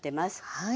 はい。